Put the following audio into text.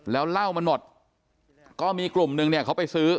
แล้วเหล้ามันหมดก็มีกลุ่มนึงเนี่ยเขาไปซื้อ